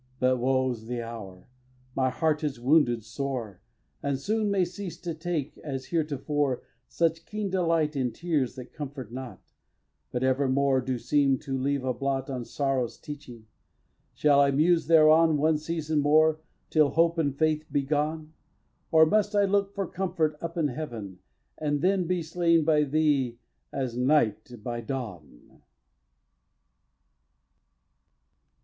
xx. But woe's the hour! My heart is wounded sore, And soon may cease to take, as heretofore, Such keen delight in tears that comfort not, But evermore do seem to leave a blot On sorrow's teaching! Shall I muse thereon One season more, till hope and faith be gone? Or must I look for comfort up in Heaven And then be slain by thee as night by dawn?